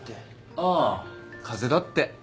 ああ風邪だって。